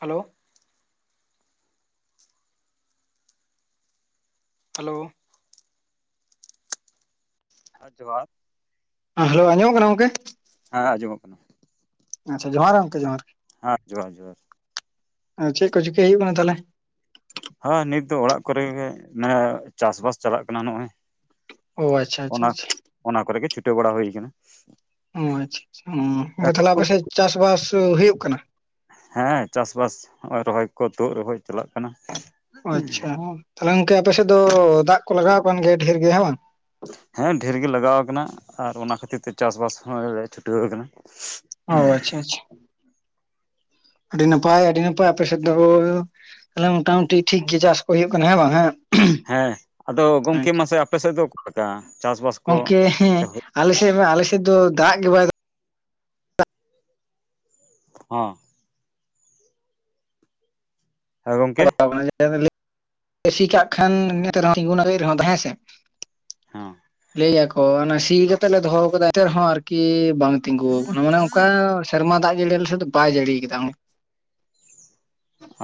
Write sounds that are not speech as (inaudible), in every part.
Hello hello ᱡᱚᱦᱟᱨ ᱦᱮᱸ hello ᱟᱡᱢᱚᱜ ᱠᱟᱱᱟ ᱜᱚᱝᱠᱮ ᱦᱮᱸ ᱟᱡᱚᱢᱚᱜ ᱠᱟᱱᱟ ᱟᱪᱪᱷᱟ ᱡᱚᱦᱟᱨ ᱜᱮ ᱜᱚᱝᱠᱮ ᱡᱚᱦᱟᱨ ᱦᱮᱸ ᱡᱚᱦᱟᱨ ᱡᱚᱦᱟᱨ ᱟᱨ ᱪᱮᱫ ᱠᱚ ᱪᱤᱠᱟᱹᱭ ᱦᱩᱭᱩᱜ ᱠᱟᱱᱟ ᱛᱟᱦᱚᱞᱮ ᱦᱮᱸ ᱱᱤᱛ ᱫᱚ ᱚᱲᱟᱜ ᱠᱚᱨᱮ ᱪᱟᱥ ᱵᱟᱥ ᱪᱟᱞᱟᱜ ᱠᱟᱱᱟ ᱱᱚᱜᱼᱚᱭ ᱚ ᱟᱪᱷᱟ ᱟᱪᱷᱟ ᱚᱱᱟ ᱚᱱᱟ ᱠᱚᱨᱮ ᱜᱮ ᱪᱷᱩᱴᱟᱹᱣ ᱵᱟᱲᱟ ᱦᱩᱭ ᱠᱟᱱᱟ ᱚ ᱟᱪᱪᱷᱟ ᱟᱪᱪᱷᱟ ᱛᱟᱦᱚᱞᱮ ᱟᱯᱮᱥᱮᱫ ᱪᱟᱥᱵᱟᱥ ᱦᱩᱭᱩᱜ ᱠᱟᱱᱟ? ᱦᱮᱸ ᱪᱟᱥᱵᱟᱥ ᱱᱚᱜᱼᱚᱭ ᱨᱚᱦᱚᱭ ᱠᱚ ᱛᱳᱜ ᱨᱚᱦᱚᱭ ᱪᱟᱞᱟᱜ ᱠᱟᱱᱟ ᱟᱪᱪᱷᱟ ᱛᱟᱦᱞᱮ ᱜᱚᱝᱠᱮ ᱟᱯᱮᱥᱮᱫ ᱫᱚ ᱫᱟᱜ ᱠᱚ ᱞᱟᱜᱟᱣ ᱠᱟᱱ ᱜᱮᱭᱟ ᱰᱷᱮᱨ ᱜᱮ ᱦᱮᱸ ᱵᱟᱝ ᱦᱮᱸ ᱰᱷᱮᱨ ᱜᱮ ᱞᱟᱜᱟᱣ ᱠᱟᱱᱟ ᱟᱨ ᱚᱱᱟ ᱠᱷᱟᱹᱛᱤᱨ ᱛᱮ ᱪᱟᱥᱵᱟᱥ ᱦᱚᱸ ᱪᱷᱩᱴᱟᱹᱣ ᱠᱟᱱᱟ ᱚ ᱟᱪᱪᱷᱟ ᱟᱪᱪᱷᱟ ᱟᱹᱰᱤ ᱱᱟᱯᱟᱭ ᱟᱹᱰᱤ ᱱᱟᱯᱟᱭ ᱟᱯ ᱥᱮᱫ ᱫᱚ ᱛᱟᱦᱚᱞᱮ ᱢᱚᱴᱟᱢᱩᱴᱤ ᱴᱷᱤᱠ ᱜᱮ ᱪᱟᱥ ᱠᱚ ᱦᱩᱭᱩᱜ ᱠᱟᱱᱟ ᱦᱮᱸ ᱵᱟᱝ ᱦᱮᱸ ᱦᱮᱸ ᱟᱫᱚ ᱜᱚᱝᱠᱮ ᱢᱟᱥᱮ ᱟᱯᱮ ᱥᱮᱫ ᱫᱚ ᱚᱠᱟᱞᱮᱠᱟ ᱪᱟᱥᱵᱟᱥ ᱠᱚ ᱟᱞᱮᱥᱮᱜᱢᱟ ᱟᱞᱮ ᱥᱮᱫ ᱫᱚ ᱫᱟᱜ ᱜᱮ ᱵᱟᱭ ᱦᱚᱸ ᱦᱚᱸ ᱜᱚᱢᱠᱮ ᱫᱟᱜ ᱥᱤ ᱠᱟᱜ ᱠᱷᱟᱱ ᱱᱦᱚᱸ ᱨᱮᱦᱚᱸ ᱦᱮᱸ ᱥᱮ (unintelligible) ᱦᱚᱸ (unintelligible) ᱥᱤ ᱠᱟᱛᱮᱜ ᱞᱮ ᱫᱚᱦᱚ ᱟᱠᱟᱫᱟ ᱮᱱᱛᱮ ᱨᱮᱦᱚᱸ ᱟᱨᱠᱤ ᱵᱟᱝ ᱛᱤᱸᱜᱩ ᱟᱠᱟᱱᱟ ᱢᱟᱱᱮ ᱚᱱᱠᱟ ᱥᱮᱨᱢᱟ ᱫᱟᱜ ᱡᱟᱹᱲᱤ ᱟᱞᱮ ᱥᱮᱫ ᱫᱚ ᱵᱟᱭ ᱡᱟᱹᱲᱤᱭ ᱠᱟᱫᱟ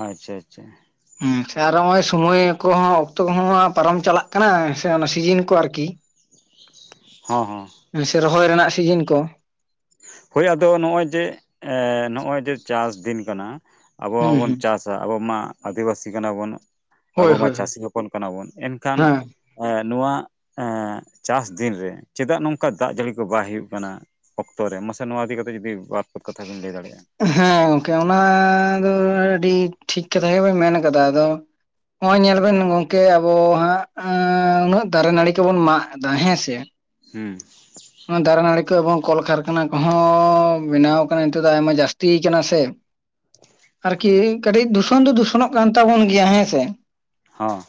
ᱟᱪᱪᱷᱟ ᱟᱪᱪᱷᱟ ᱦᱩᱢ ᱥᱮ ᱟᱨᱚ ᱱᱚᱜ ᱚᱚᱭ ᱥᱚᱢᱚᱭ ᱠᱚᱦᱚᱸ ᱚᱠᱛᱚ ᱠᱚᱦᱚᱸ ᱯᱟᱨᱚᱢ ᱪᱟᱞᱟᱜ ᱠᱟᱱᱟ ᱥᱮ ᱚᱱᱟ ᱥᱤᱡᱤᱱ ᱠᱚ ᱟᱨᱠᱤ (inaudible) ᱦᱚᱸ ᱦᱚᱸ ᱦᱮᱸ ᱥᱮ ᱨᱚᱦᱚᱭ ᱨᱮᱱᱟᱜ ᱥᱤᱡᱤᱱ ᱠᱚ ᱦᱳᱭ ᱟᱫᱚ ᱱᱚᱜᱼᱚᱭ ᱡᱮ ᱮ ᱱᱚᱜᱼᱚᱭ ᱡᱮ ᱪᱟᱥ ᱫᱤᱱ ᱠᱟᱱᱟ ᱦᱩᱸ ᱟᱵᱚᱵᱚᱱ ᱦᱩᱸ ᱪᱟᱥ ᱟᱵᱚ ᱢᱟ ᱟᱹᱫᱤᱵᱟᱹᱥᱤ ᱠᱟᱱᱟ ᱵᱚᱱ ᱟᱵᱚ ᱦᱳᱭ ᱢᱟ ᱦᱳᱭ ᱦᱳᱭ ᱪᱟᱹᱥᱤ ᱦᱚᱯᱚᱱ ᱠᱟᱱᱟ ᱵᱚᱱ ᱮᱱᱠᱷᱟᱱ ᱦᱮᱸ ᱮ ᱱᱚᱣᱟ ᱮ ᱪᱟᱥ ᱫᱤᱱ ᱨᱮ ᱪᱮᱫᱟᱜ ᱱᱚᱝᱠᱟ ᱫᱟᱜ ᱡᱟᱹᱲᱤ ᱠᱚ ᱵᱟᱭ ᱦᱩᱭᱩᱜ ᱠᱟᱱᱟ ᱚᱠᱛᱚ ᱨᱮ ᱢᱟᱥᱮ ᱱᱚᱣᱟ ᱤᱫᱤ ᱠᱟᱛᱮ ᱡᱩᱫᱤ ᱵᱟᱫᱛᱷᱯᱮ ᱠᱟᱛᱷᱟ ᱵᱤᱱ ᱞᱟᱹᱭ ᱫᱟᱲᱮᱭᱟᱜᱼᱟ (unintelligible) ᱦᱮᱸ ᱜᱚᱝᱠᱮ ᱚᱱᱟ ᱫᱚ ᱟᱹᱰᱤ ᱴᱷᱤᱠ ᱠᱟᱛᱷᱟ ᱜᱮᱵᱮ ᱢᱮᱱ ᱠᱟᱫᱟ ᱟᱫᱚ ᱱᱚᱜ ᱚᱭ ᱧᱮᱞᱵᱤᱱ ᱜᱚᱝᱠᱮ ᱟᱵᱚ ᱦᱟᱸᱜ ᱟᱸᱜ ᱩᱱᱟᱹᱜ ᱫᱟᱨᱮ ᱱᱟᱹᱲᱤ ᱠᱚᱵᱚᱱ ᱢᱟᱜ ᱫᱟ ᱦᱮᱸᱥᱮ ᱦᱩ ᱚᱱᱟ ᱫᱟᱨᱮ ᱱᱟᱹᱲᱤ ᱠᱚ ᱮᱵᱚᱝ ᱠᱚᱞᱠᱟᱨᱠᱷᱟᱱᱟ ᱠᱚᱦᱚᱸ ᱵᱮᱱᱟᱣ ᱠᱟᱱᱟ ᱱᱤᱛᱚᱜ ᱫᱚ ᱟᱭᱢᱟ ᱡᱟᱹᱥᱛ ᱠᱟᱱᱟ ᱥᱮ ᱟᱨᱠᱤ ᱠᱟᱹᱴᱤᱡ ᱫᱩᱥᱚᱱ ᱫᱚ ᱫᱩᱥᱚᱱᱚᱜ ᱠᱟᱱ ᱛᱟᱵᱚᱱ ᱜᱮᱭᱟ ᱦᱮᱸᱥᱮ ᱦᱚᱸ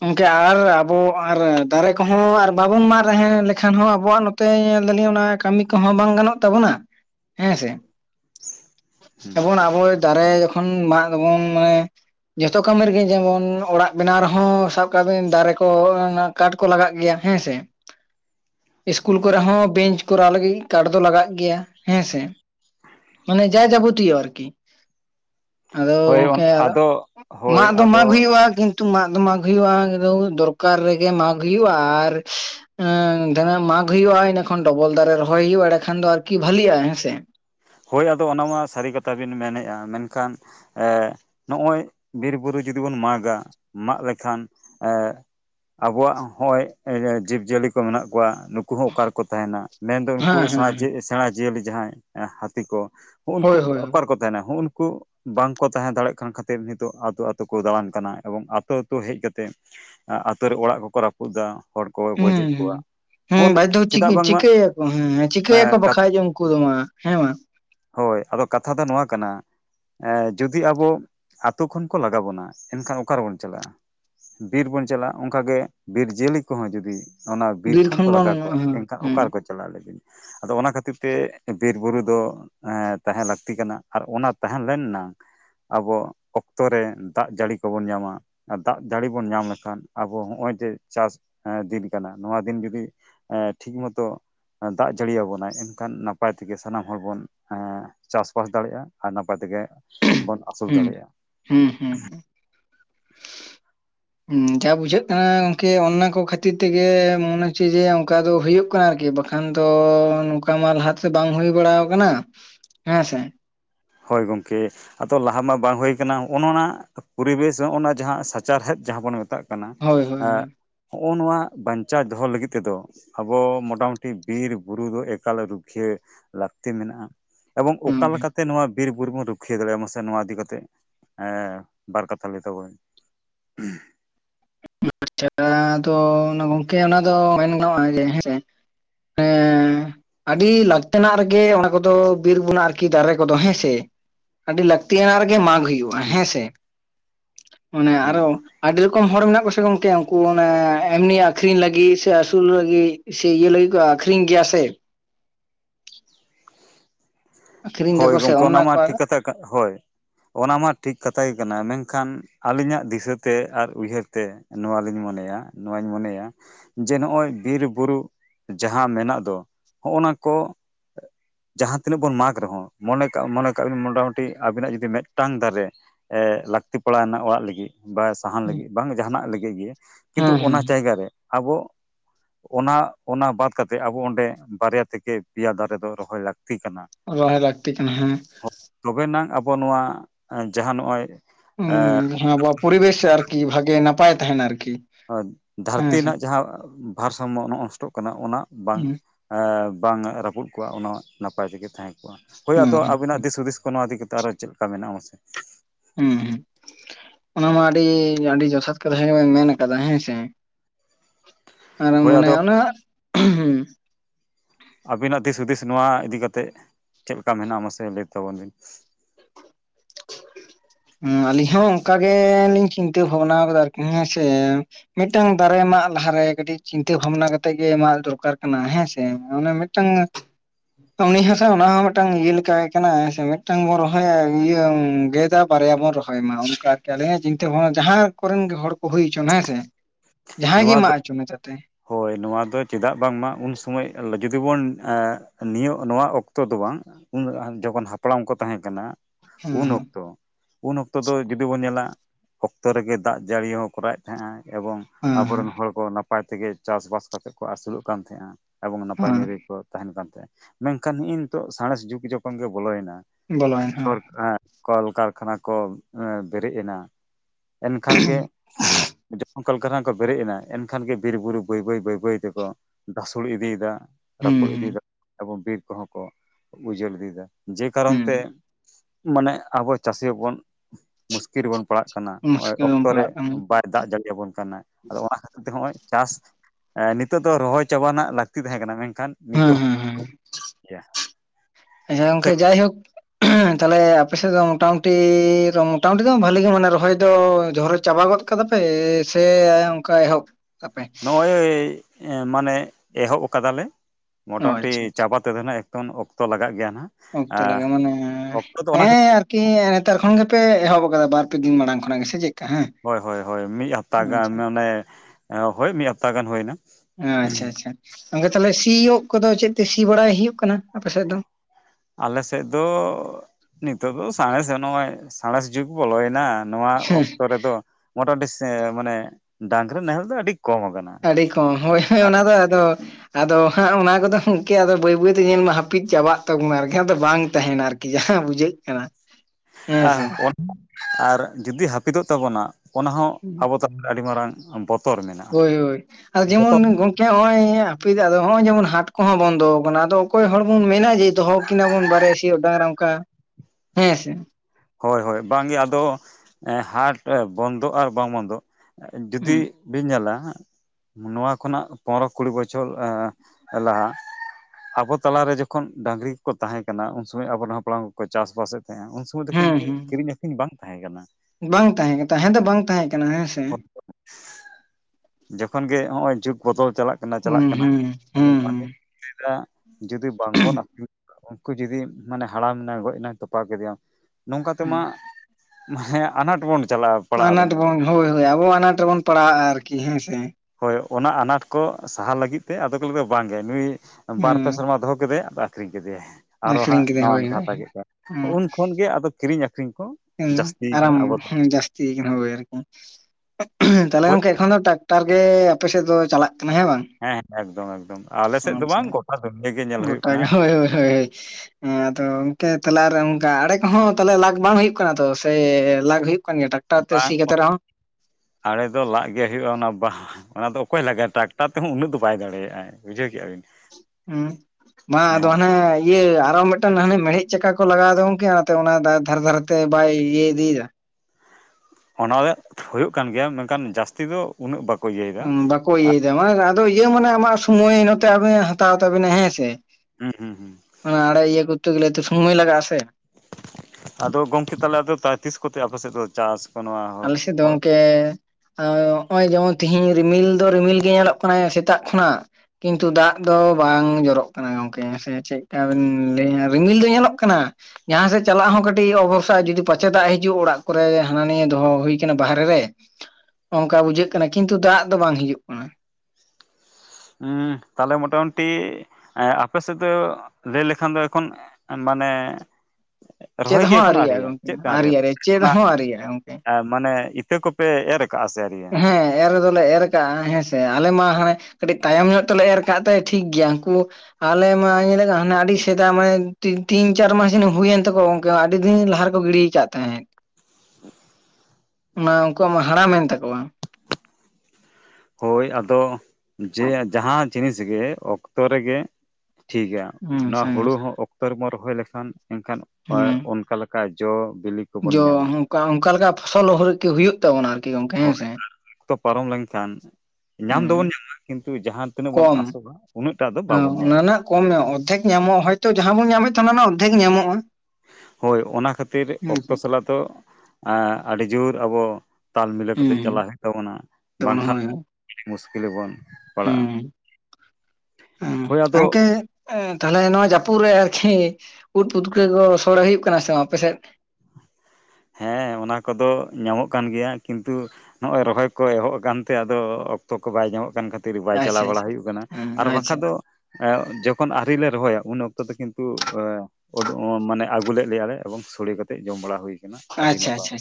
ᱜᱚᱝᱠᱮ ᱟᱨ ᱟᱵᱚ ᱟᱨ ᱫᱟᱨᱮ ᱠᱚᱦᱚᱸ ᱟᱨ ᱵᱟᱵᱚᱱ ᱢᱟᱜ ᱨᱮᱦᱮᱸ ᱞᱮᱠᱷᱟᱱ ᱦᱚᱸ ᱟᱵᱚᱣᱟᱜ ᱛᱮ ᱧᱮᱞ ᱮ ᱫᱟᱞᱤᱧ ᱚᱱᱟ ᱠᱟᱹᱢᱤ ᱠᱚᱦᱚᱸ ᱵᱟᱝ ᱜᱟᱱᱚᱜ ᱛᱟᱵᱚᱱᱟ ᱦᱮᱸ ᱥᱮᱮ ᱦᱮᱸ ᱮᱵᱚᱱ ᱟᱵᱚ ᱫᱟᱨᱮ ᱡᱚᱠᱷᱚᱱ ᱢᱟᱜ ᱫᱟᱵᱚᱱ ᱢᱟᱱᱮ ᱡᱷᱚᱛᱚ ᱠᱟᱹᱢᱤ ᱨᱮᱜᱮ ᱡᱮᱢᱚᱱ ᱚᱲᱟᱜ ᱵᱮᱱᱟᱣ ᱨᱮᱦᱚᱸ ᱥᱟᱵ ᱠᱟᱜ ᱵᱤᱱ ᱫᱟᱨᱮ ᱠᱚ ᱮᱱᱟᱜ ᱠᱟᱴ ᱠᱚ ᱞᱟᱜᱟᱜ ᱜᱮᱭᱟ ᱦᱮᱸ ᱥᱮ ᱤᱥᱠᱩᱞ ᱠᱚᱨᱮ ᱦᱚᱸ ᱵᱮᱸᱧᱪ ᱠᱚᱨᱟᱣ ᱞᱟᱹᱜᱤᱫ ᱠᱟᱴ ᱫᱚ ᱞᱟᱜᱟᱜ ᱜᱮᱭᱟ ᱦᱮᱸ ᱥᱮ ᱢᱟᱱᱮ ᱡᱟ ᱡᱟᱵᱚ ᱛᱤᱭᱳ ᱟᱨᱠᱤ ᱟᱫᱚ ᱦᱳᱭ ᱜᱚᱝᱠᱮ ᱟᱫᱚ ᱢᱟᱜ ᱦᱳᱭ ᱫᱚ ᱢᱟᱜ ᱟᱫᱚ ᱦᱩᱭᱩᱜᱼᱟ ᱠᱤᱱ ᱛᱤ ᱢᱟᱜ ᱫᱚ ᱢᱟᱜᱽ ᱦᱩᱭᱩᱜᱼᱟ ᱫᱚᱨᱠᱟᱨ ᱨᱮᱜᱮ ᱢᱟᱜᱽ ᱦᱩᱭᱩᱜᱼᱟ ᱟᱨ ᱮᱸ ᱛᱤᱱᱟ. ᱜ ᱢᱟᱜᱽ ᱦᱩᱭᱩᱜᱼᱟ ᱤᱱᱟ. ᱠᱷᱚᱱ ᱰᱚᱵᱚᱞ ᱫᱟᱨᱮ ᱨᱚᱦᱚᱭ ᱦᱩᱭᱩᱜᱼᱟ ᱮᱲᱮ ᱠᱷᱟᱱ ᱫᱚ ᱟᱨᱠᱤ ᱵᱷᱟᱞᱤᱜᱼᱟ ᱦᱮᱸᱥᱮ ᱦᱳᱭ ᱟᱫᱚ ᱚᱱᱟ ᱢᱟ ᱥᱟᱹᱨᱤ ᱠᱟᱛᱷᱟ ᱵᱤᱱ ᱢᱮᱱᱮᱫᱼᱟ ᱢᱮᱱᱠᱷᱟᱱ ᱮᱸ ᱱᱚᱜᱼᱚᱭ ᱵᱤᱨ ᱵᱩᱨᱩ ᱡᱩᱫᱤ ᱵᱚᱱ ᱢᱟᱜᱟ ᱢᱟᱺᱜ ᱞᱮᱠᱷᱟᱱ ᱮᱸ ᱟᱵᱚᱣᱟᱜ ᱦᱚᱜᱼᱚᱭ ᱮᱡᱤᱵᱽᱡᱤᱭᱟᱹᱞᱤ ᱠᱚ ᱢᱮᱱᱟᱜ ᱠᱚᱣᱟ ᱩᱱᱠᱩ ᱦᱚᱸ ᱚᱠᱟ ᱨᱮᱠᱚ ᱛᱟᱦᱮᱱᱟ ᱢᱮᱱᱫᱚ ᱩᱱᱠᱩ ᱦᱮᱸ ᱥᱮᱬᱟ ᱪᱮ ᱦᱮᱸ ᱥᱮᱬᱟ ᱡᱤᱭᱟᱹᱞᱤ ᱡᱟᱦᱟᱸᱭ ᱦᱟᱹᱛᱤ ᱠᱚ ᱦᱩ ᱩᱱᱠᱩ ᱦᱳᱭ ᱦᱳᱭ ᱚᱠᱟ ᱦᱩᱸ ᱨᱮᱠᱚ ᱛᱟᱦᱮᱱᱟᱜ ᱦᱩ ᱱᱩᱠᱩ ᱵᱟᱝᱠᱚ ᱛᱟᱦᱮᱸ ᱫᱟᱲᱮᱭᱟᱜ ᱠᱷᱟᱱ ᱠᱷᱟᱹᱛᱤᱨ ᱱᱤᱛᱚᱜ ᱟᱛᱳ ᱟᱛᱳ ᱠᱚ ᱫᱟᱬᱟᱱ ᱠᱟᱱᱟ ᱮᱵᱚᱝ ᱟᱛᱳ ᱟᱹᱛᱩ ᱦᱮᱡ ᱠᱟᱛᱮᱫ ᱟᱛᱳ ᱨᱮ ᱚᱲᱟᱜ ᱠᱚᱠᱚ ᱨᱟᱹᱯᱩᱫ ᱫᱟ ᱦᱚᱲ ᱠᱚ ᱜᱚᱡᱮᱜ ᱦᱩᱸ ᱠᱚᱣᱟ ᱦᱮᱸ ᱦᱚᱸ ᱵᱟᱫᱽᱫᱷᱚ ᱪᱤᱠᱟ ᱪᱮᱫᱟᱜ ᱵᱟᱝᱢᱟ ᱪᱤᱠᱟᱹᱭᱟᱠᱚ ᱦᱮᱸ ᱦᱮᱸ ᱪᱤᱠᱟᱹᱭᱟᱠᱚ ᱵᱟᱠᱷᱟᱡ ᱩᱱᱠᱩ ᱫᱚ ᱢᱟ ᱦᱮᱸ ᱢᱟ ᱦᱳᱭ ᱟᱫᱚ ᱠᱟᱛᱷᱟ ᱫᱚ ᱱᱚᱣᱟ ᱠᱟᱱᱟ ᱮᱸ ᱡᱩᱫᱤ ᱟᱵᱚ ᱟᱛᱳ ᱠᱷᱚᱱ ᱠᱚ ᱞᱟᱜᱟᱣ ᱵᱚᱱᱟ ᱮᱱᱠᱷᱟᱱ ᱚᱠᱟ ᱨᱮᱵᱚᱱ ᱪᱟᱞᱟᱜᱼᱟ ᱵᱤᱨ ᱵᱚᱱ ᱪᱟᱞᱟᱜᱼᱟ ᱚᱱᱠᱟ ᱜᱮ ᱵᱤᱨ ᱡᱤᱭᱟᱹᱞᱤ ᱠᱚᱦᱚᱸ ᱡᱩᱫᱤ ᱚᱱᱟ ᱵᱤᱨ ᱠᱷᱚᱱ ᱠᱚ ᱵᱚᱱ ᱞᱟᱜᱟᱣ ᱠᱚᱣᱟ ᱦᱮᱸ ᱮᱱᱠᱷᱟᱱ ᱦᱩᱸ ᱚᱠᱟ ᱨᱮᱠᱚ ᱪᱟᱞᱟᱜ ᱟᱞᱵᱤᱱ ᱟᱫᱚ ᱚᱱᱟ ᱠᱷᱟᱹᱛᱤᱨ ᱛᱮ ᱵᱤᱨ ᱵᱩᱨᱩ ᱫᱚ ᱮ ᱛᱟᱦᱮᱸ ᱞᱟᱹᱠᱛᱤ ᱠᱟᱱᱟ ᱟᱨ ᱚᱱᱟ ᱛᱟᱦᱮᱸ ᱞᱮᱱᱟ ᱟᱵᱚ ᱚᱠᱛᱚ ᱨᱮ ᱫᱟᱜ ᱡᱟᱹᱲᱤ ᱠᱚᱵᱚᱱ ᱧᱟᱢᱟᱹ ᱫᱟᱜ ᱡᱟᱹᱲᱤ ᱵᱚᱱ ᱧᱟᱢ ᱞᱮᱠᱷᱟᱱ ᱟᱵᱚ ᱱᱚᱜ ᱚᱭ ᱡᱮ ᱪᱟᱥ ᱫᱤᱱ ᱠᱟᱱᱟ ᱱᱚᱣᱟ ᱫᱤᱱ ᱡᱩᱫᱤ ᱦᱮᱸ ᱴᱷᱤᱠ ᱢᱚᱛᱚ ᱫᱟᱜ ᱡᱟᱹᱲᱤ ᱟᱵᱚᱱᱟᱭ ᱮᱱᱠᱷᱟᱱ ᱱᱟᱯᱟᱭ ᱛᱮᱜᱮ ᱥᱟᱱᱟᱢ ᱦᱚᱲ ᱵᱚᱱ ᱮ ᱪᱟᱥᱵᱟᱥ ᱫᱟᱲᱮᱭᱟᱜᱼᱟ ᱟᱨ ᱱᱟᱯᱟᱭ ᱛᱮᱜᱮ ᱵᱚᱱ ᱟᱹᱥᱩᱞ ᱦᱮᱸ ᱫᱟᱲᱮᱭᱟᱜᱼᱟ ᱦᱮᱸ ᱦᱮᱸ ᱦᱮᱸ ᱦᱩᱸ ᱡᱟ ᱵᱩᱡᱷᱟᱹᱜ ᱠᱟᱱᱟ ᱜᱚᱝᱠᱮ ᱚᱱᱟ ᱠᱚ ᱠᱷᱟᱹᱛᱤᱨ ᱛᱮᱜᱮ ᱢᱚᱱᱮ ᱦᱚᱪᱮ ᱡᱮ ᱚᱱᱠᱟ ᱫᱚ ᱦᱩᱭᱩᱜ ᱠᱟᱱᱟ ᱟᱨᱠᱤ ᱠᱷᱟᱱ ᱫᱚ ᱱᱚᱝᱠᱟ ᱢᱟ ᱞᱟᱦᱟᱛᱮ ᱵᱟᱝ ᱦᱩᱭ ᱵᱟᱲᱟ ᱟᱠᱟᱱᱟ ᱦᱮᱸ ᱥᱮ ᱦᱳᱭ ᱜᱚᱢᱠᱮ ᱟᱫᱚ ᱞᱟᱦᱟ ᱢᱟ ᱵᱟᱝ ᱦᱩᱭ ᱠᱟᱱᱟ ᱦᱚᱜᱼᱚᱱᱟ ᱯᱚᱨᱤᱵᱮᱥ ᱱᱚᱜᱼ ᱱᱟ ᱡᱟᱦᱟᱸ ᱥᱟᱪᱟᱨᱦᱮᱫ ᱡᱟᱦᱟᱸ ᱵᱚᱱ ᱢᱮᱛᱟᱜ ᱠᱟᱱᱟ ᱦᱳᱭ ᱦᱳᱭ ᱦᱳᱭ ᱮᱜ ᱦᱚᱜᱼᱚ ᱱᱚᱣᱟ ᱵᱟᱧᱪᱟᱣ ᱫᱚᱦᱚ ᱞᱟᱹᱜᱤᱫ ᱛᱮᱫᱚ ᱟᱵᱚ ᱢᱳᱴᱟᱢᱩᱴᱤ ᱵᱤᱨᱵᱩᱨᱩ ᱫᱚ ᱮᱠᱟᱞ ᱨᱩᱠᱷᱭᱤᱭᱟᱹ ᱞᱟᱹᱠᱛᱤ ᱢᱮᱱᱟᱜᱼᱟ ᱮᱵᱚᱝ ᱚᱠᱟ ᱦᱩᱸ ᱞᱮᱠᱟᱛᱮ ᱱᱚᱣᱟ ᱵᱤᱨᱵᱩᱨᱩ ᱵᱚᱱ ᱨᱩᱠᱷᱭᱤᱭᱟᱹ ᱫᱟᱲᱮᱭᱟᱜᱼᱟ ᱢᱟᱥᱮ ᱱᱚᱣᱟ ᱤᱫᱤ ᱠᱟᱛᱮᱜ ᱮ ᱵᱟᱨ ᱠᱟᱛᱷᱟ ᱞᱟᱹᱭ ᱛᱟᱵᱚᱱ? (inaudible) ᱟᱪᱷᱟ ᱫᱚ ᱜᱚᱝᱠᱮ ᱚᱱᱟ ᱫᱚ ᱢᱮᱱ ᱜᱟᱱᱚᱜᱼᱟ ᱡᱮ ᱦᱮᱸ ᱥᱮ ᱦᱮᱸ ᱟᱹᱰᱤ ᱞᱟᱹᱠᱛᱤᱱᱟᱜ ᱨᱮᱜᱮ ᱚᱱᱟ ᱠᱚᱫᱚ ᱵᱤᱨ ᱵᱚᱱᱟ ᱟᱨᱠᱤ ᱫᱟᱨᱮ ᱠᱚᱫᱚ ᱦᱮᱸ ᱥᱮ ᱟᱹᱰᱤ ᱞᱟᱹᱠᱛᱤᱭᱟᱱᱟᱜ ᱨᱮᱜᱮ ᱢᱟᱜᱽ ᱦᱩᱭᱩᱜᱼᱟ ᱦᱮᱸᱥᱮ ᱢᱟᱱᱮ ᱟᱨᱚ ᱟᱹᱰᱤ ᱨᱚᱠᱚᱢ ᱨᱚᱠᱚᱢ ᱦᱚᱲ ᱢᱮᱱᱟᱜ ᱠᱚ ᱥᱮ ᱜᱚᱝᱠᱮ ᱩᱱᱠᱩ ᱮ ᱮᱢᱱᱤ ᱟᱠᱷᱨᱤᱧ ᱞᱟᱹᱜᱤᱫ ᱥᱮ ᱟᱹᱥᱩᱞ ᱞᱟᱹᱜᱤᱫ ᱥᱤ ᱤᱭᱟᱹ ᱞᱟᱹᱜᱤ ᱠᱚ ᱟᱠᱷᱨᱤᱧ ᱜᱮᱭᱟ ᱥᱮ ᱟᱠᱷᱨᱤᱧ ᱦᱳᱭ ᱫᱟᱠᱚ ᱥᱮ ᱜᱚᱢᱠᱮ ᱚᱱᱟ ᱢᱟ ᱠᱚ ᱦᱮᱸ ᱴᱷᱤᱠ ᱠᱟᱛᱷᱟ ᱦᱳᱭ ᱚᱱᱟ ᱢᱟ ᱴᱷᱤᱠ ᱠᱟᱛᱷᱟ ᱜᱮ ᱠᱟᱱᱟ ᱢᱮᱱᱠᱷᱟᱱ ᱟᱹᱞᱤᱧᱟᱜ ᱫᱤᱥᱟᱹᱛᱮ ᱟᱨ ᱩᱭᱦᱟᱹᱨ ᱛᱮ ᱱᱚᱣᱟ ᱞᱤᱧ ᱢᱚᱱᱮᱭᱟ ᱱᱚᱣᱟᱧ ᱢᱚᱱᱮᱭᱟ ᱡᱮ ᱱᱚᱜᱼᱚᱭ ᱵᱤᱨ ᱵᱩᱨᱩ ᱡᱟᱦᱟᱸ ᱢᱮᱱᱟᱜ ᱫᱚ ᱦᱚᱜᱼ ᱱᱟ ᱠᱚ ᱡᱟᱦᱟᱸ ᱛᱤᱱᱟᱹᱜ ᱵᱚᱱ ᱢᱟᱜᱽ ᱨᱮᱦᱚᱸ ᱢᱚᱱᱮ ᱠᱟᱜ ᱢᱚᱱᱮ ᱠᱟᱜ ᱵᱤᱱ ᱢᱚᱴᱟᱢᱩᱴᱤ ᱟᱵᱤᱱᱟᱜ ᱡᱩᱫᱤ ᱢᱤᱫᱴᱟᱝ ᱫᱟᱨᱮ ᱮᱸ ᱞᱟᱹᱠᱛᱤ ᱯᱟᱲᱟᱣᱱᱟ ᱚᱲᱟᱜ ᱞᱟᱹᱜᱤᱫ ᱵᱟᱥ ᱥᱟᱦᱟᱱ ᱞᱟᱹᱜᱤᱫ ᱵᱟᱝ ᱡᱟᱦᱟᱱᱟᱜ ᱞᱟᱹᱜᱤᱫ ᱜᱮ ᱠᱤᱱᱛᱩ ᱦᱮᱸ ᱚᱱᱟ ᱡᱟᱭᱜᱟ ᱨᱮ ᱟᱵᱚ ᱚᱱᱟ ᱚᱱᱟ ᱵᱟᱫ ᱠᱟᱛᱮ ᱟᱵᱚ ᱚᱸᱰᱮ ᱵᱟᱨᱭᱟ ᱛᱷᱮᱠᱮ ᱯᱮᱭᱟ ᱫᱟᱨᱮ ᱫᱚ ᱨᱚᱦᱚᱭ ᱞᱟᱹᱠᱛᱤ ᱠᱟᱱᱟ ᱞᱟᱦᱟᱭ ᱞᱟᱠᱛᱤ ᱠᱟᱱᱟ ᱦᱮᱸ ᱛᱚᱵᱮᱱᱟᱝ ᱟᱵᱚ ᱱᱚᱣᱟ ᱡᱟᱦᱟᱸ ᱱᱚᱜᱼᱚᱭ ᱮ ᱩᱸᱻ ᱦᱮᱸ ᱟᱵᱚᱣᱟᱜ ᱯᱚᱨᱤᱵᱮᱥ ᱟᱨᱠᱤ ᱵᱷᱟᱜᱮ ᱱᱟᱯᱟᱭ ᱛᱟᱦᱮᱱᱟ ᱟᱨᱠᱤ ᱦᱮᱸ ᱫᱷᱟᱹᱨᱛᱤ ᱥᱮ ᱨᱮᱱᱟᱜ ᱡᱟᱦᱟᱸ ᱵᱷᱟᱨ ᱥᱟᱢᱢᱚ ᱱᱚᱥᱴᱚᱜ ᱠᱟᱱᱟ ᱚᱱᱟ ᱵᱟᱝ ᱦᱩᱸ ᱵᱟᱝ ᱨᱟᱹᱯᱩᱫ ᱠᱚᱜᱼᱟ ᱚᱱᱟ ᱱᱟᱯᱟᱭ ᱛᱮᱜᱮ ᱛᱟᱦᱮᱸ ᱠᱚᱜᱼᱟ ᱦᱳᱭ ᱦᱩᱸ ᱟᱫᱚ ᱟᱹᱵᱤᱱᱟᱜ ᱫᱤᱥ ᱦᱩᱫᱤᱥ ᱚᱱᱟ ᱤᱫᱤ ᱠᱟᱛᱮᱫ ᱟᱨᱚ ᱪᱮᱫ ᱞᱮᱠᱟ ᱢᱮᱱᱟᱜᱼᱟ ᱢᱟᱥᱮ ᱦᱮᱸ ᱦᱩᱸ ᱚᱱᱟ ᱢᱟ ᱟᱹᱰᱤ ᱟᱹᱰᱤ ᱡᱚᱛᱷᱟᱛ ᱠᱟᱛᱷᱟ ᱜᱮ ᱵᱮᱱ ᱢᱮᱱ ᱠᱟᱫᱟ ᱦᱮᱸ ᱥᱮ ᱟᱨᱚ ᱦᱳᱭ ᱢᱟᱱᱮ ᱟᱫᱚ ᱚᱱᱟ ᱦᱩᱸ ᱟᱵᱤᱱᱟᱜ ᱫᱤᱥ ᱦᱩᱫᱤᱥ ᱱᱚᱣᱟ ᱤᱫᱤ ᱠᱟᱛᱮᱫ ᱪᱮᱫ ᱞᱮᱠᱟ ᱢᱮᱱᱟᱜᱼᱟ ᱢᱟᱥᱮ ᱞᱟᱹᱭ ᱛᱟᱵᱚᱱ ᱵᱤᱱ ᱟᱹᱞᱤᱧ ᱦᱚᱸ ᱚᱱᱠᱟ ᱜᱮ ᱞᱤᱧ ᱪᱤᱱᱛᱟᱹ ᱵᱷᱟᱵᱱᱟ ᱠᱟᱫᱟ ᱟᱨᱠᱤ ᱦᱮᱸᱥᱮ ᱢᱤᱫᱴᱟᱝ ᱫᱟᱨᱮ ᱢᱟᱜ ᱞᱟᱦᱟᱨᱮ ᱠᱟᱹᱴᱤᱡ ᱪᱤᱱᱛᱟᱹ ᱵᱷᱟᱵᱱᱟ ᱠᱟᱛᱮᱜ ᱜᱮ ᱢᱟᱜ ᱫᱚᱨᱠᱟᱨ ᱠᱟᱱᱟ ᱦᱮᱸᱥᱮ ᱚᱱᱮ ᱢᱤᱫᱟᱝ ᱦᱮᱸ ᱩᱱᱤ ᱦᱚᱸᱥᱮ ᱚᱱᱟ ᱦᱚᱸ ᱢᱤᱫᱴᱟᱝ ᱤᱭᱟᱹ ᱞᱮᱠᱟ ᱠᱟᱱᱟ ᱥᱮ ᱢᱤᱫᱴᱟᱝ ᱜᱟᱱ ᱨᱚᱦᱚᱸ ᱢᱤᱫᱴᱟᱝ ᱜᱮᱫᱟ ᱵᱟᱨᱭᱟ ᱵᱚᱱ ᱨᱚᱦᱚᱭ ᱢᱟ ᱚᱱᱠᱟ ᱟᱞᱮᱭᱟᱜ ᱪᱤᱱᱛᱟᱹ ᱵᱷᱟᱵᱽᱱᱟ ᱡᱟᱦᱟᱸ ᱠᱚᱨᱮᱱ ᱜᱮ ᱦᱚᱲ ᱠᱚ ᱦᱩᱭ ᱦᱚᱪᱚᱱ ᱦᱮᱸ ᱥᱮ ᱡᱟᱦᱟᱸᱭ ᱜᱮ ᱱᱚᱣᱟ ᱫᱚ ᱢᱟᱜ ᱦᱚᱪᱚ ᱢᱚᱪᱟ ᱛᱮ ᱦᱳᱭ ᱱᱚᱣᱟ ᱫᱚ ᱪᱮᱫᱟᱜ ᱵᱟᱝᱢᱟ ᱩᱱ ᱥᱚᱢᱚᱭ ᱡᱩᱫᱤ ᱵᱚᱱ ᱮᱸ ᱱᱤᱭᱟᱹ ᱱᱚᱣᱟ ᱚᱠᱛᱚ ᱫᱚ ᱵᱟᱝ ᱩᱱ ᱫᱚ ᱡᱚᱠᱷᱚᱱ ᱦᱟᱯᱲᱟᱢ ᱠᱚ ᱛᱟᱦᱮᱸ ᱠᱟᱱᱟ ᱦᱮᱸ ᱩᱱ ᱚᱠᱛᱚ ᱩᱱ ᱚᱠᱛᱚ ᱫᱚ ᱡᱩᱫᱤ ᱵᱚᱱ ᱧᱮᱞᱟ ᱚᱠᱛᱚ ᱨᱮᱜᱮ ᱫᱟᱜ ᱡᱟᱹᱲᱤ ᱦᱚᱸ ᱠᱚᱨᱟᱣᱮᱫ ᱦᱮᱸᱜᱼᱮ ᱮᱵᱚᱝ ᱦᱮᱸ ᱦᱮᱸ ᱟᱵᱚᱨᱮᱱ ᱦᱚᱲ ᱠᱚ ᱱᱟᱯᱟᱭ ᱛᱮᱜᱮ ᱪᱟᱥᱵᱟᱥ ᱠᱟᱛᱮᱫ ᱠᱚ ᱟᱹᱥᱩᱞᱚᱜ ᱠᱟᱱ ᱛᱟᱦᱮᱸᱜᱼᱟ ᱮᱵᱚᱝ ᱱᱟᱯᱟᱭ ᱦᱮᱸ ᱱᱤᱨᱟᱹᱭ ᱠᱚ ᱛᱟᱦᱮᱱ ᱠᱟᱱ ᱛᱟᱦᱮᱸᱫ ᱢᱮᱱᱠᱷᱟᱱ ᱱᱤᱜ-ᱤᱱᱛᱳᱜ ᱥᱟᱬᱮᱥ ᱡᱩᱜᱽ ᱡᱚᱠᱷᱚᱱ ᱜᱮ ᱵᱚᱞᱚᱭᱮᱱᱟ ᱵᱚᱞᱚᱭᱮᱱ ᱦᱮᱸ ᱥᱚᱨ ᱮᱸ ᱠᱚᱞᱠᱟᱨᱠᱷᱟᱱᱟ ᱠᱚ ᱵᱮᱨᱮᱫ ᱮᱱᱟ ᱮᱱᱠᱷᱟᱱ ᱜᱮ ᱡᱚᱠᱷᱚᱱ ᱠᱚᱞ ᱠᱟᱨᱠᱷᱟᱱᱟ ᱠᱚ ᱵᱮᱨᱮᱫ ᱮᱱᱟ ᱮᱱᱠᱷᱟᱱ ᱜᱮ ᱵᱤᱨ ᱵᱩᱨᱩ ᱵᱟᱹᱭ ᱵᱟᱹᱭ ᱵᱟᱹᱭ ᱵᱟᱹᱭ ᱛᱮᱠᱚ ᱫᱟᱹᱥᱩᱲ ᱤᱫᱤᱭᱮᱫᱟ ᱦᱩᱸ ᱨᱟᱹᱯᱩᱫ ᱦᱩᱸ ᱤᱫᱤᱭᱮᱫᱟ ᱮᱵᱚᱝ ᱵᱤᱨ ᱠᱚᱦᱚᱸ ᱠᱚ ᱩᱡᱟᱹᱲ ᱤᱫᱤᱭᱮᱫᱟ ᱡᱮ ᱠᱟᱨᱚᱱ ᱦᱩᱸ ᱛᱮ ᱢᱟᱱᱮ ᱟᱵᱚ ᱪᱟᱹᱥᱤ ᱦᱚᱸᱯᱚᱱ ᱢᱩᱥᱠᱤᱞ ᱨᱮᱵᱚᱱ ᱯᱟᱲᱟᱜ ᱠᱟᱱᱟᱜᱼᱚᱭ ᱢᱩᱥᱠᱤᱞ ᱨᱮᱢ ᱚᱠᱛᱚ ᱨᱮ ᱯᱟᱲᱟᱜ ᱠᱟᱱᱟ ᱵᱟᱭ ᱫᱟᱜ ᱡᱟᱹᱲᱤᱭᱟᱵᱚᱱ ᱠᱟᱱᱟ ᱟᱫᱚ ᱚᱱᱟ ᱠᱷᱟᱹᱛᱤᱨ ᱛᱮ ᱦᱚᱸᱜᱼᱚᱭ ᱪᱟᱥ ᱱᱤᱛᱚᱜ ᱫᱚ ᱨᱚᱦᱚᱭ ᱪᱟᱵᱟ ᱨᱮᱱᱟᱜ ᱞᱟᱹᱠᱛᱤ ᱛᱟᱦᱮᱸ ᱠᱟᱱᱟ ᱢᱮᱱᱠᱷᱟᱱ ᱦᱮᱸ ᱱᱤᱛᱚᱜ ᱦᱚᱸ ᱦᱮᱸ ᱦᱮᱸ ᱜᱮᱭᱟ ᱟᱪᱪᱷᱟ ᱜᱚᱢᱠᱮ ᱡᱟᱭᱦᱳᱠ ᱩᱜ ᱛᱟᱦᱚᱞᱮ ᱟᱯᱮᱥᱮᱫ ᱫᱚ ᱢᱚᱴᱟᱢᱩᱴᱤ ᱢᱚᱴᱟᱢᱩᱴᱤ ᱫᱚ ᱵᱷᱟᱹᱞᱤ ᱜᱮ ᱢᱟᱱᱮ ᱨᱚᱦᱚᱭ ᱫᱚ ᱡᱷᱚᱨᱚ ᱪᱟᱵᱟ ᱜᱚᱫ ᱠᱟᱫᱟᱯᱮ ᱥᱮ ᱚᱱᱠᱟ ᱮᱦᱚᱵ ᱟᱯᱮ ᱱᱚᱜᱼᱚᱭ ᱢᱟᱱᱮ ᱮᱦᱚᱵ ᱟᱠᱟᱫᱟᱞᱮ ᱚ ᱢᱚᱴᱟᱢᱩᱴᱤ ᱟᱪᱪᱷᱟ ᱪᱟᱵᱟ ᱛᱚᱵᱮ ᱱᱟᱦᱟᱜ ᱮᱠᱷᱚᱱ ᱚᱛᱚ ᱞᱟᱜ ᱜᱮᱭᱟ ᱱᱟᱦᱟᱜ ᱚᱠᱛᱚ ᱞᱟᱜᱮ ᱢᱟᱱᱮ ᱦᱮᱸ ᱠᱷᱟᱹᱛᱤᱨ ᱟᱨᱠᱤ ᱠᱤ ᱱᱮᱛᱟᱨ ᱠᱷᱚᱱ ᱜᱮᱯᱮ ᱮᱦᱚᱵ ᱟᱠᱟᱫᱟ ᱵᱟᱨ ᱯᱮ ᱫᱤᱱ ᱢᱟᱲᱟᱝ ᱠᱷᱚᱱᱟᱜ ᱜᱮ ᱥᱮ ᱪᱮᱫ ᱦᱳᱭ ᱦᱳᱭ ᱦᱳᱭ ᱢᱤᱫ ᱦᱟᱯᱛᱟ ᱜᱟᱱ ᱢᱟᱱᱮ ᱦᱳᱭ ᱢᱤᱫ ᱦᱟᱯᱛᱟ ᱜᱟᱱ ᱦᱩᱭᱱᱟ ᱟᱪᱪᱷᱟ ᱟᱪᱪᱷᱟ ᱜᱚᱝᱮ ᱛᱟᱦᱞᱮ ᱥᱤᱭᱳᱜ ᱠᱚᱫᱚ ᱪᱮᱫ ᱛᱮ ᱥᱤ ᱵᱟᱲᱟᱭ ᱦᱩᱭᱩᱜ ᱠᱟᱱᱟ ᱟᱯᱮ ᱥᱮᱫ ᱫᱚ ᱟᱞᱮᱥᱮᱫ ᱫᱚ ᱱᱤᱛᱚᱜ ᱫᱚ ᱥᱟᱬᱮᱥ ᱱᱚᱜᱼᱚᱭ ᱥᱟᱬᱮᱥ ᱡᱩᱜᱽ ᱵᱚᱞᱚᱭᱱᱟ ᱱᱚᱣᱟ ᱦᱮᱸ ᱚᱠᱛᱚ ᱨᱮᱫᱚ ᱢᱚᱴᱟᱢᱩᱴᱤ ᱢᱟᱱᱮ ᱰᱟᱝᱨᱤ ᱱᱟᱦᱮᱞ ᱫᱚ ᱟᱹᱰᱤ ᱠᱚᱢ ᱟᱠᱟᱱᱟ ᱟᱹᱰᱤ ᱠᱚ ᱦᱳᱭ ᱦᱚ ᱚᱱᱟ ᱫᱚ ᱟᱫᱚ ᱟᱫᱚ ᱦᱟᱸᱜ ᱚᱱᱟ ᱠᱚᱫᱚ ᱚᱢᱠᱮ ᱟᱫᱚ ᱵᱟᱹᱭ ᱵᱟᱹᱭᱛᱮ ᱧᱮᱞ ᱢᱟ ᱦᱟᱹᱯᱤᱫ ᱪᱟᱵᱟᱜ ᱛᱟᱵᱚᱱᱟ ᱟᱨᱠᱤ ᱟᱫᱚ ᱵᱟᱝ ᱛᱟᱦᱮᱱᱟ ᱟᱨᱠᱤ ᱡᱟᱦᱟᱸ ᱵᱩᱡᱷᱟᱹᱜ ᱠᱟᱱᱟ ᱦᱮᱸ ᱟᱦ ᱥᱮ ᱟᱨ ᱡᱩᱫᱤ ᱦᱟᱹᱯᱤᱫᱚᱜ ᱛᱟᱵᱚᱱᱟ ᱚᱱᱟ ᱦᱚᱸ ᱦᱩᱸ ᱟᱵᱚ ᱛᱟᱞ ᱟᱹᱰᱤ ᱢᱟᱨᱟᱝ ᱵᱚᱛᱚᱨ ᱢᱮᱱᱟᱜᱼᱟ ᱦᱳᱭ ᱦᱳᱭ ᱟᱨ ᱡᱮᱢᱚᱱ ᱜᱚᱝ (unintelligible) ᱝᱠᱮ ᱦᱚᱜ-ᱚᱭ ᱦᱟᱯᱤᱫ ᱦᱚᱸᱜᱼᱚᱭ ᱡᱮᱢᱚᱱ ᱦᱟᱴ ᱠᱚᱦᱚᱸ ᱵᱚᱱᱫᱚ ᱟᱠᱟᱱᱟ ᱟᱫᱚ ᱚᱠᱚᱭ ᱦᱚᱲ ᱵᱚᱱ ᱢᱮᱱᱟ ᱡᱮ ᱫᱚᱦᱚ ᱠᱤᱱᱟᱵᱚᱱ ᱵᱟᱨᱭᱟ ᱥᱤᱭᱳᱜ ᱰᱟᱝᱨᱟ ᱚᱱᱠᱟ ᱦᱮᱸ ᱥᱮ ᱦᱳᱭ ᱦᱳᱭ ᱵᱟᱝ ᱜᱮ ᱟᱫᱚ ᱦᱟᱴ ᱵᱚᱱᱫᱚᱜᱼᱟᱨ ᱵᱟᱝ ᱵᱚᱱᱫᱚᱜ ᱡᱩᱫᱤ ᱦᱩᱸ ᱵᱤᱱ ᱧᱮᱞᱟ (unintelligible) ᱱᱚᱣᱟ ᱠᱷᱚᱱᱟᱜ ᱯᱚᱱᱨᱚ ᱠᱩᱲᱤ ᱵᱚᱪᱷᱚᱨ ᱮ ᱞᱟᱦᱟ ᱟᱵᱚ ᱛᱟᱞᱟᱨᱮ ᱡᱚᱠᱷᱚᱱ ᱰᱟᱹᱝᱨᱤ ᱠᱚᱠᱚ ᱛᱟᱦᱮᱸ ᱠᱟᱱᱟ ᱩᱱ ᱥᱚᱢᱚᱭ ᱟᱵᱚᱨᱮᱱ ᱦᱟᱯᱲᱟᱢ ᱠᱚᱠᱚ ᱪᱟᱥᱵᱟᱥ ᱮᱫ ᱛᱟᱦᱮᱸᱱᱟ ᱩᱱ ᱥᱚᱢᱚᱭ ᱫᱚ ᱦᱩᱸ ᱠᱤᱱᱛᱩ ᱦᱩᱸ ᱠᱤᱨᱤᱧ ᱟᱹᱠᱷᱨᱤᱧ ᱵᱟᱝ ᱛᱟᱦᱮᱸ ᱠᱟᱱᱟ ᱵᱟᱝ ᱛᱟᱦᱮᱸ ᱠᱟᱱᱟ ᱛᱟᱦᱮᱸ ᱫᱚ ᱵᱟᱝ ᱛᱟᱦᱮᱸ ᱠᱟᱱᱟ ᱦᱮᱸ ᱥᱮ (unintelligible) ᱡᱚᱠᱷᱚᱱ ᱜᱮ ᱦᱚᱸᱜᱼᱚᱭ ᱡᱩᱜᱽ ᱵᱚᱫᱚᱞ ᱪᱟᱞᱟᱜ ᱠᱟᱱᱟ (unintelligible) ᱪᱟᱞᱟᱜ ᱦᱩᱸ ᱠᱟᱱᱟ ᱦᱩᱸ ᱦᱩᱸ ᱟᱫᱚᱧᱟᱹᱭᱫᱟ ᱡᱩᱫᱤ ᱵᱟᱝᱵᱚᱱ ᱟᱹᱠᱷᱨᱤᱧ (unintelligible) ᱠᱚ ᱡᱩᱫᱤ ᱢᱟᱱᱮ ᱦᱟᱲᱟᱢᱱᱟᱭ ᱜᱚᱡ ᱮᱱᱟᱭ ᱛᱚᱯᱟ ᱠᱮᱫᱮᱭᱟᱢ ᱱᱚᱝᱠᱟ ᱛᱮᱢᱟ ᱦᱩᱸ (unintelligible) ᱦᱮ ᱟᱱᱟᱴ ᱵᱚᱱ ᱪᱟᱞᱟᱣ ᱟᱱᱟᱴ ᱵᱚᱱ ᱦᱳᱭ ᱦᱳᱭ ᱟᱵᱚ ᱟᱱᱟᱴ ᱨᱮᱵᱚᱱ ᱯᱟᱲᱟᱜᱼᱟ ᱟᱨᱠᱤ ᱦᱮᱸ ᱥᱮ ᱦᱳᱭ ᱚᱱᱟ ᱟᱱᱟᱴ ᱠᱚ ᱥᱟᱦᱟ ᱞᱟᱹᱜᱤᱫ ᱛᱮ ᱟᱫᱚ ᱠᱚ ᱞᱟᱭ ᱫᱚ ᱵᱟᱝᱜᱮ ᱱᱩᱭ ᱵᱟᱨ ᱯᱮ ᱦᱩᱸ ᱥᱮᱨᱢᱟ ᱫᱚᱦᱚ ᱠᱮᱫᱮ (unintelligible) (inaudible) ᱠᱮᱫᱮᱭᱟᱭ ᱟᱨᱚ ᱟᱹᱠᱷᱨᱤᱧ ᱦᱟᱸᱜ ᱠᱤᱫᱟᱹᱧ ᱱᱟᱣᱟᱱ ᱦᱳᱭ ᱠᱚ ᱦᱳᱭ ᱦᱟᱛᱟᱣ ᱠᱮᱫ ᱠᱚᱣᱟ ᱩᱱ ᱠᱷᱚᱱ ᱜᱮ ᱟᱫᱚ ᱠᱤᱨᱤᱧ ᱟᱹᱠᱷᱨᱤᱧ ᱠᱚ ᱦᱮ ᱡᱟᱹᱥᱛᱤ ᱠᱟᱱᱟ ᱟᱨᱟᱢ ᱟᱵᱚ ᱫᱚ᱾ ᱡᱟᱹᱥᱛᱠ ᱟᱨᱠᱤ ᱛᱟᱦᱚᱞᱮ ᱦᱳᱭ ᱜᱚᱢᱠᱮ ᱮᱠᱷᱚᱱ ᱫᱚ (unintelligible) ᱴᱠᱴᱟᱨ ᱜᱮ ᱟᱯᱮᱥᱮᱫ ᱫᱚ ᱪᱟᱞᱟᱜ ᱠᱟᱱᱟ ᱦᱮᱸ ᱵᱟᱝ ᱦᱮᱸ ᱦᱮᱸ ᱮᱠᱫᱚᱢ ᱮᱠᱫᱚᱢ ᱟᱞᱮ ᱥᱮᱫ ᱫᱚ ᱟᱪᱪᱷᱟ ᱵᱟᱝ ᱜᱚᱴᱟ ᱫᱩᱱᱭᱤᱭᱟᱹ ᱜᱮ ᱧᱮᱞ ᱦᱩᱭᱩᱜ ᱜᱚᱴᱟ ᱠᱟᱱᱟ ᱜᱮ ᱦᱳᱭ ᱦᱳᱭ ᱦᱳᱭ ᱟᱸ ᱟᱫᱚ ᱚᱱᱠᱟ ᱛᱟᱞᱟ ᱨᱮ ᱚᱱᱠᱟ ᱟᱲᱮ ᱠᱚ ᱠᱚᱦᱚᱸ ᱛᱟᱦᱟᱞᱮ ᱞᱟᱜ ᱵᱟᱝ ᱦᱩᱭᱩᱜ ᱠᱟᱱᱟ ᱟᱫᱚ ᱥᱮ ᱦᱩᱭᱩᱜ ᱠᱟᱱᱟ ᱛᱚ ᱥᱮ ᱞᱟᱜ ᱦᱩᱭᱩᱜ ᱠᱟᱱ ᱜᱮᱭᱟ ᱴᱟᱠ ᱵᱟᱝ (unintelligible) ᱵᱟᱝ ᱟᱲᱮ ᱫᱚ ᱞᱟᱜ ᱜᱮ ᱦᱩᱭᱩᱜᱼᱟ ᱚᱱᱟ ᱵᱟᱦᱟ (unintelligible) ᱚᱱᱟ ᱫᱚ ᱚᱠᱚᱭ ᱞᱟᱜᱟᱭ ᱴᱨᱟᱠᱴᱟᱨ ᱛᱮᱦᱚᱸ ᱩᱱᱟᱹᱜ ᱫᱚ ᱵᱟᱭ ᱫᱟᱲᱮᱭᱟᱜᱼᱟᱭ ᱵᱩᱡᱷᱟᱹᱣ ᱠᱮᱜᱼᱟ ᱵᱤᱱ ᱦᱮᱸ ᱢᱟ ᱟᱫᱚ ᱦᱮᱸ ᱦᱟᱱᱮ (unintelligible) ᱤᱭᱟᱹ ᱟᱨᱚ ᱢᱤᱫᱴᱟᱝ ᱦᱟᱱᱮ ᱢᱮᱲᱦᱮᱫ ᱤᱭᱟ. ᱟᱨᱦᱚᱸ ᱢᱤᱫᱴᱟᱝ ᱢᱮᱬᱦᱮᱫ ᱪᱟᱠᱟ ᱠᱚ ᱞᱟᱜᱟᱣ ᱮᱫᱟ ᱜᱚᱝᱠᱮ ᱚᱱᱟᱛᱮ ᱚᱱᱟ ᱫᱷᱟᱨᱮ ᱫᱷᱟᱨᱮ ᱛᱮ ᱵᱟᱭ ᱤᱭᱟᱹ ᱤᱫᱤᱭᱮᱫᱟ ᱚᱱᱟ ᱫᱚ ᱦᱩᱭᱩᱜ ᱠᱟᱱ ᱜᱮᱭᱟ ᱢᱮᱱᱠᱷᱟᱱ ᱡᱟᱹᱥᱛᱤ ᱫᱚ ᱩᱱᱟᱹᱜ ᱵᱟᱠᱚ ᱤᱭᱟᱹᱭ ᱮᱫᱟ ᱠᱚ ᱤᱭᱟᱹᱭᱮᱫᱟ ᱢᱟᱱᱮᱫᱚ ᱤᱭᱟᱹ ᱢᱟᱱᱮ ᱟᱢᱟᱜ ᱥᱚᱢᱚᱭ ᱱᱚᱛᱮ ᱟᱵᱤᱱ ᱦᱟᱛᱟᱣ ᱛᱟᱵᱤᱱᱟᱭ ᱦᱮᱸ ᱥᱮ ᱦᱩᱸ ᱦᱩᱸ ᱦᱩᱸ ᱚᱱᱟ ᱟᱲᱮ ᱤᱭᱟᱹ ᱠᱚᱛᱮ ᱜᱮᱞᱮ ᱟᱹᱰᱤ ᱩᱛᱟᱨ ᱥᱩᱢᱚᱭ ᱞᱟᱜᱟᱜ-ᱟ ᱥᱮ ᱟᱫᱚ ᱜᱚᱢᱠᱮ ᱛᱟᱦᱚᱞᱮ ᱟᱫᱚ ᱛᱤᱥ ᱠᱚᱛᱮ ᱟᱯᱮ ᱥᱮᱫ ᱫᱚ ᱪᱟᱥ? ᱠᱚ ᱱᱚᱣᱟ ᱟᱞᱮᱥᱮᱫ ᱫᱚ ᱜᱚᱢᱠᱮ ᱮ ᱱᱚᱜᱼᱚᱭ ᱡᱮᱢᱚᱱ ᱛᱤᱦᱤᱧ ᱨᱤᱢᱤᱞ ᱫᱚ ᱨᱤᱢᱤᱞ ᱜᱮ ᱧᱮᱞᱚᱜ ᱠᱟᱱᱟ ᱥᱮᱛᱟᱜ ᱠᱷᱚᱱᱟᱜ ᱠᱤᱱᱛᱩ ᱫᱟᱜ ᱫᱚ ᱵᱟᱝ ᱡᱚᱨᱚᱜ ᱠᱟᱱᱟ ᱜᱚᱝᱠᱮ ᱥᱮ ᱪᱮᱞᱠᱟ ᱵᱤᱱ ᱞᱟᱹᱭᱟ ᱨᱤᱢᱤᱞ ᱫᱚ ᱧᱮᱞᱚᱜ ᱠᱟᱱᱟ ᱡᱟᱦᱟᱸ ᱥᱮᱫ ᱪᱟᱞᱟᱜ ᱦᱚᱸ ᱠᱟᱹᱴᱤᱡ ᱚᱵᱚᱨᱥᱟ ᱡᱩᱫᱤ ᱯᱟᱪᱮᱫ ᱫᱟᱜ ᱮ ᱦᱤᱡᱩᱜ ᱚᱲᱟᱜ ᱠᱚᱨᱮ ᱦᱟ ᱮ ᱫᱚᱦᱚ ᱦᱩᱭ ᱟᱠᱟᱱᱟ ᱵᱟᱦᱨᱮ ᱨᱮ ᱚᱱᱠᱟ ᱵᱩᱡᱷᱟᱹᱜ ᱠᱟᱱᱟ ᱠᱤᱱᱛᱩ ᱫᱟᱜ ᱫᱚ ᱵᱟᱝ ᱦᱤᱡᱩᱜ ᱠᱟᱱᱟ ᱦᱩᱸ ᱛᱟᱦᱚᱞᱮ ᱢᱚᱴᱟᱢᱩᱴᱤ ᱮ ᱟᱯᱮ ᱥᱮᱫ ᱫᱚ ᱞᱟᱹᱭ ᱞᱮᱠᱷᱟᱱ ᱫᱚ ᱮᱠᱷᱚᱱ ᱢᱟᱱᱮ ᱪᱮᱫ ᱨᱚᱦᱚᱭ ᱦᱚᱸ ᱜᱮᱭᱟ. ᱠᱚ ᱟᱱᱟ ᱟ. ᱟᱹᱣᱨᱤᱭᱟᱜᱼᱟ ᱨᱤᱭᱟ. ᱜᱚᱝᱠᱮ ᱪᱮᱫ ᱠᱚ ᱟᱨᱤᱭᱟ. ᱟᱹᱣᱨᱤᱭᱟᱜ ᱨᱮ ᱪᱮᱫ ᱦᱚᱸ ᱟᱹᱣᱨᱤᱭᱟᱜᱼᱟ ᱜᱚᱝᱠᱮ (inaudible) ᱢᱟᱱᱮ ᱤᱛᱟ ᱠᱚᱯᱮ ᱮᱨ ᱠᱟᱜᱼᱟ ᱥᱮ ᱟᱣᱨ ᱦᱮᱸ ᱮᱨ ᱫᱚᱞᱮ ᱮᱨ ᱟᱠᱟᱜᱼᱟ ᱦᱮᱸᱥᱮ ᱟᱞᱮ ᱢᱟ ᱦᱚᱸᱜᱚᱭ ᱠᱟᱹᱴᱤᱡ ᱛᱟᱭᱚᱢ ᱧᱚᱜ ᱛᱮᱞᱮ ᱮᱨ ᱠᱟᱜ ᱛᱮ ᱴᱷᱤᱠ ᱜᱮᱭᱟ ᱦᱟᱱᱠᱩ (unintelligible) ᱛᱤᱱ ᱪᱟᱨ ᱢᱟᱥ ᱦᱩᱭᱮᱱ ᱛᱟᱠᱚᱣᱟ ᱜᱚᱝᱠᱮ ᱟᱹᱰᱤ ᱫᱤᱱ ᱞᱟᱦᱟ ᱨᱮᱠᱚ ᱜᱤᱲᱤ ᱪᱟᱜ ᱛᱟᱦᱮᱜ (inaudible) (unintelligible) ᱢᱟ ᱩᱱᱠᱩᱣᱟᱜ ᱢᱟ ᱦᱟᱲᱟᱢ ᱮᱱ ᱛᱟᱠᱚᱣᱟ ᱦᱳᱭ ᱟᱫᱚ ᱡᱮ ᱡᱟᱦᱟ ᱡᱤᱱᱤᱥ ᱜᱮ ᱚᱠᱛᱚ ᱨᱮᱜᱮ ᱴᱷᱤᱜᱼᱟ ᱦᱮᱸ ᱱᱚᱣᱟ ᱥᱮ ᱦᱩᱲᱩ ᱦᱚᱸ ᱚᱠᱛᱚ ᱨᱮᱵᱚᱱ ᱨᱚᱦᱚᱭ ᱞᱮᱠᱷᱟᱱ ᱮᱱᱠᱷᱟᱱ ᱦᱮᱸ (inaudible) ᱚᱱᱠᱟ ᱞᱮᱠ ᱠᱟ ᱡᱚ ᱵᱤᱞᱤ ᱠᱚᱵᱚᱱ ᱡᱚ ᱧᱟᱢᱟ ᱚᱱᱠᱟ ᱚᱱᱠᱟ ᱞᱮᱠᱟ ᱯᱷᱚᱥᱚᱞ ᱦᱩᱭᱩᱜ ᱛᱟᱵᱚᱱᱟ ᱟᱨᱠᱤ ᱜᱚᱝᱠᱮ ᱦᱮᱸᱥᱮ ᱛᱚ ᱯᱟᱨᱚᱢ ᱞᱮᱱᱠᱷᱟᱱ ᱧᱟᱢ ᱦᱮᱸ ᱫᱚᱵᱚᱱ ᱧᱟᱢᱟ ᱠᱤᱱᱛᱩ ᱡᱟᱦᱟ ᱛᱤᱱᱟᱹᱜ ᱵᱚᱱ ᱟᱥᱚᱜᱼᱟ ᱩᱱᱟᱹᱜ ᱴᱟᱜ ᱫᱚ ᱵᱟᱵᱚᱱ ᱧᱟᱢᱟ ᱠᱚᱢᱮ ᱚᱨᱫᱷᱮᱠ ᱧᱟᱢᱼᱟ ᱦᱚᱭᱛᱳ ᱡᱟᱦᱟ ᱵᱚᱱ ᱧᱟᱢᱮᱫ ᱛᱟᱦᱮᱱᱟ ᱚᱱᱟ ᱨᱮᱱᱟᱜ ᱚᱨᱛᱷᱮᱠ ᱧᱟᱢᱚᱜᱼᱟ ᱦᱳᱭ ᱚᱱᱟ ᱠᱷᱟᱹᱛᱤᱨ ᱦᱮᱸ ᱚᱠᱛᱚ ᱥᱟᱞᱟᱜ ᱫᱚ ᱮ ᱟᱹᱰᱤ ᱡᱳᱨ ᱟᱵᱚ ᱛᱟᱞ ᱢᱤᱞᱟ ᱠᱟᱛᱮᱫ ᱦᱮᱸ ᱪᱟᱞᱟᱜ ᱦᱩᱭᱩᱜ ᱛᱟᱵᱚᱱᱟ ᱛᱟᱵᱚᱱ ᱵᱟᱝᱠᱷᱟᱱ ᱦᱳᱭ ᱢᱩᱥᱠᱤᱞ ᱨᱮᱵᱚᱱ ᱯᱟᱲᱟᱜᱼᱟ ᱦᱮᱸ ᱦᱳᱭ ᱟᱫᱚ ᱟᱝᱠᱮ ᱮᱸ ᱛᱟᱦᱞᱮ ᱱᱚᱣᱟ ᱡᱟᱹᱯᱩᱫ ᱨᱮ ᱟᱨᱠᱤ ᱩᱫ ᱯᱩᱴᱠᱟᱹ ᱠᱚ ᱥᱚᱲᱮ ᱦᱩᱭᱩᱜ ᱠᱟᱱᱟ ᱥᱮ ᱵᱟᱝ ᱟᱯᱮᱥᱮᱫ? ᱦᱮᱸ ᱚᱱᱟ ᱠᱚᱫᱚ ᱧᱟᱢᱚᱜ ᱠᱟᱱ ᱜᱮᱭᱟ ᱠᱤᱱᱛᱩ ᱱᱚᱜᱼ ᱚᱚᱭ ᱨᱚᱦᱚᱭ ᱠᱚ ᱮᱦᱚᱵ ᱟᱠᱟᱱ ᱛᱮ ᱟᱫᱚ ᱚᱠᱛᱚ ᱠᱚ ᱵᱟᱭ ᱧᱟᱢᱚᱜ ᱠᱟᱱ ᱠᱷ ᱛᱤᱨᱮ ᱵᱟᱭ ᱪᱟᱞᱟᱣ ᱟᱪᱪᱷᱟ ᱵᱟᱲᱟ ᱟᱪᱪᱷᱟ ᱦᱩᱭᱩᱜ ᱠᱟᱱᱟ ᱦᱮᱸ ᱟᱨ ᱟᱪᱪᱷᱟ ᱵᱟᱠᱟᱫ ᱫᱚ ᱮᱜ ᱡᱚᱠᱷᱚᱱ ᱟᱹᱨᱤ ᱞᱮ ᱨᱚᱦᱚᱭᱟ ᱩᱱ ᱚᱠᱛᱚ ᱫᱚ ᱠᱤᱱᱛᱩ ᱮ ᱳᱴ ᱢᱟᱱᱮ ᱟᱹᱜᱩ ᱞᱮᱫ ᱞᱮᱭᱟᱞᱮ ᱮᱵᱚᱝ ᱥᱚᱲᱮ ᱠᱟᱛᱮᱫ ᱡᱚᱢ ᱵᱟᱲᱟ ᱦᱩᱭ ᱟᱹᱰᱤ ᱟᱪᱪᱷᱟ ᱱᱟᱯᱟᱭ ᱟᱪᱪᱷᱟ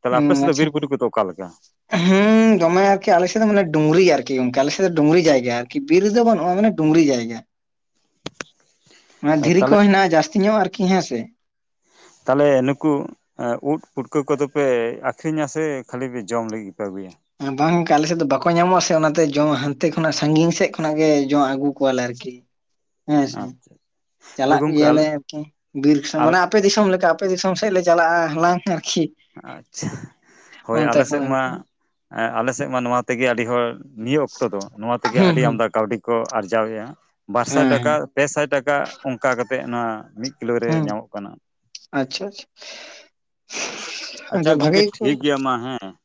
ᱛᱟᱦᱚᱞᱮ ᱟᱯᱮ ᱥᱮᱫ ᱫᱚ ᱵᱤᱨ ᱵᱩᱨᱩ ᱠᱚᱫᱚ ᱚᱠᱟ ᱞᱮᱠᱟ? ᱦᱮᱸ ᱫᱚᱢᱮ ᱟᱨᱠᱤ ᱟᱞᱮ ᱥᱮᱫ ᱫᱚ ᱢᱟᱱᱮ ᱰᱩᱝᱨᱤ ᱟᱨᱠᱤ ᱜᱚᱢᱠᱮ ᱟᱞᱮᱥᱮᱫ ᱫᱚ ᱰᱩᱝᱨᱤ ᱡᱟᱭᱜᱟ ᱟᱨᱠᱤ ᱵᱤᱨ ᱫᱚ ᱵᱟᱹᱱᱩᱜᱼᱟ ᱢᱟᱱᱮ ᱰᱩᱝᱨᱤ ᱡᱟᱭᱜᱟ ᱚᱱᱟ ᱛᱟᱦᱚᱞᱮ ᱫᱷᱤᱨᱤ ᱠᱚ ᱦᱮᱱᱟᱜᱼᱟ ᱡᱟᱹᱥᱛᱤ ᱧᱚᱜ ᱟᱨᱠᱤ ᱦᱮᱸ ᱥᱮ ᱛᱟᱦᱚᱞᱮ ᱱᱩᱠᱩ ᱩᱫ ᱯᱩᱴᱠᱟᱹ ᱠᱚᱫᱚᱯᱮ ᱟᱠᱷᱨᱤᱧᱟ ᱥᱮ ᱠᱷᱟᱹᱞᱤ ᱯᱮ ᱡᱚᱢ ᱞᱟᱹᱜᱤᱫ ᱯᱮ ᱟᱹᱜᱩᱭᱟ ᱵᱟᱝ ᱜᱮ ᱟᱞᱮ ᱥᱮᱫ ᱫᱚ ᱵᱟᱠᱚ ᱧᱟᱢᱚᱜᱼᱟ ᱥᱮ ᱚᱱᱟᱛᱮ ᱡᱚᱢ ᱦᱟᱱᱛᱮ ᱠᱷᱚᱱᱟᱜ ᱥᱟᱺᱜᱤᱧ ᱥᱮᱫ ᱠᱷᱚᱱᱟᱜ ᱜᱮ ᱡᱚᱢ ᱟᱹᱜᱩ ᱠᱚᱣᱟ ᱞᱮ ᱟᱨᱠᱤ ᱦᱮᱸ ᱥᱮ ᱟᱪᱪᱷᱟ ᱦᱳᱭ ᱪᱟᱞᱟᱜ ᱜᱚᱢᱠᱮ ᱜᱮᱭᱟᱞᱮ ᱟᱞᱮ ᱵᱤᱨ ᱫᱤᱥᱚᱢ ᱟᱞᱮ ᱢᱟᱱᱮ ᱟᱯᱮ ᱫᱤᱥᱚᱢ ᱞᱮᱠᱟ ᱟᱯᱮ ᱫᱤᱥᱚᱢ ᱥᱮᱫ ᱞᱮ ᱪᱟᱞᱟᱜᱼᱟ ᱦᱟᱞᱟᱝ ᱟᱨᱠᱤ ᱟᱪᱪᱷᱟ ᱦᱳᱭ ᱚᱱᱛᱮ ᱟᱞᱮ ᱥᱮᱫ ᱠᱷᱚᱱ ᱢᱟ ᱟᱨᱠᱤ ᱮ ᱟᱞᱮ ᱥᱮᱫ ᱢᱟ ᱱᱚᱣᱟ ᱛᱮᱜᱮ ᱟᱹᱰᱤ ᱦᱚᱲ ᱱᱤᱭᱟᱹ ᱚᱠᱛᱚ ᱫᱚ ᱱᱚᱣᱟ ᱛᱮᱜᱮ ᱟᱹᱰᱤ ᱦᱩᱸ ᱦᱩᱸ ᱟᱢᱫᱟ ᱠᱟᱹᱣᱰᱤ ᱠᱚ ᱟᱨᱡᱟᱣᱮᱜᱼᱟ ᱵᱟᱨ ᱥᱟᱭ ᱦᱮᱸ ᱴᱟᱠᱟ ᱦᱮᱸ ᱯᱮ ᱥᱟᱭ ᱴᱟᱠᱟ ᱚᱱᱠᱟ ᱠᱟᱛᱮᱫ ᱱᱚᱣᱟ ᱢᱤᱫ ᱠᱤᱞᱳ ᱨᱮ ᱦᱩᱸ ᱧᱟᱢᱚᱜ ᱠᱟᱱᱟ ᱟᱪᱪᱷᱟ ᱟᱪᱪᱷᱟ ᱟᱪᱪᱷᱟ ᱵᱷᱟᱜᱮ ᱜᱚᱝᱠᱮ ᱜᱮᱠᱚ ᱴᱷᱤᱠ ᱜᱮᱭᱟ ᱢᱟ ᱦᱮᱸ